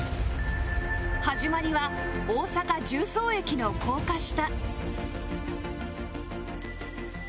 始まりは大阪十三駅の高架下